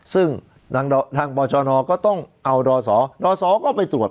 ซึ่งทางบชนก็ต้องเอาดอสดอสอก็ไปตรวจ